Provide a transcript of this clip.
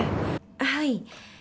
はい。